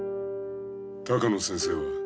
鷹野先生は。